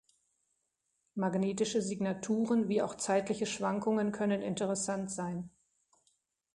Magnetische Signaturen wie auch zeitliche Schwankungen können interessant sein.